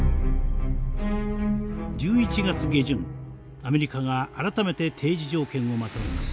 １１月下旬アメリカが改めて提示条件をまとめます。